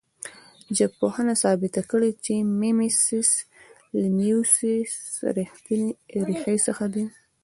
ژبپوهانو ثابته کړې چې میمیسیس له میموس ریښې څخه دی